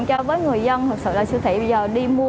cho với người dân thực sự là siêu thị bây giờ đi mua